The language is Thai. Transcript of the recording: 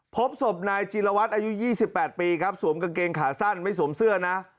พบศพนายจิลวัตรอายุ๒๘ปีครับสวมกางเกงขาสั้นไม่สวมเสื้อนะ